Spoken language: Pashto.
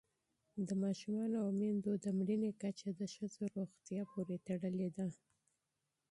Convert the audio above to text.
د ماشومانو او میندو د مړینې کچه د ښځو روغتیا پورې تړلې ده.